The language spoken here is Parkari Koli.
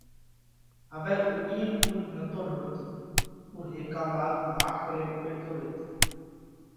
هوَئہ اُو اِيل اُول نتو ڍوڙتو اُو هيڪا ماڳ ماٺ ڪرينَ ٻيٺو ريتو۔